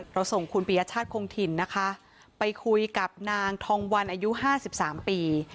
ส่งคุณปียชาติคงถิ่นนะคะไปคุยกับนางทองวันอายุ๕๓ปี